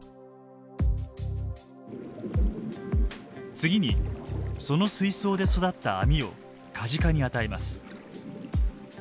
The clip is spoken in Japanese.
次にその水槽で育ったアミをカジカに与えます。